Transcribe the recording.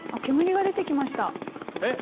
⁉煙が出てきました。